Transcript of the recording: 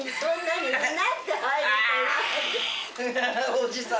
おじさん。